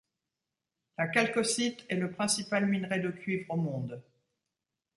La chalcocite est le principal minerai de cuivre au monde.